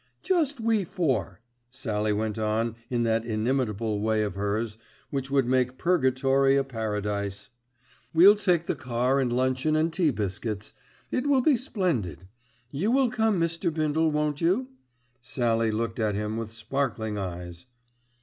"Just we four," Sallie went on in that inimitable way of hers, which would make purgatory a paradise. "We'll take the car and luncheon and tea baskets. It will be splendid. You will come Mr. Bindle, won't you?" Sallie looked at him with sparkling eyes.